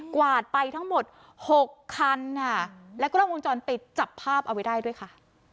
กวาดไปทั้งหมดหกคันค่ะแล้วก็ล่องวงจรปิดจับภาพเอาไว้ได้ด้วยค่ะ